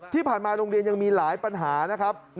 ที่ผ่านมาโรงเรียนยังมีหลายปัญหานะครับ